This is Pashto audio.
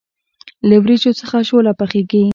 له وریجو څخه شوله پخیږي.